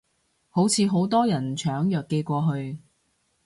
好似好多人搶藥寄過去